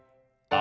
あ！